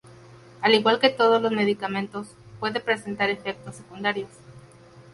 Al igual que todos los medicamentos, puede presentar efectos secundarios.